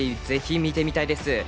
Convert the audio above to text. ぜひ見てみたいです。